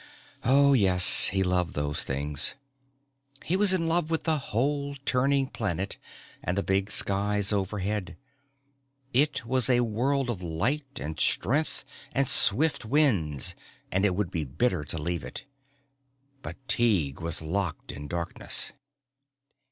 Oh yes, he loved those things. He was in love with the whole turning planet and the big skies overhead. It was a world of light and strength and swift winds and it would be bitter to leave it. But Tighe was locked in darkness.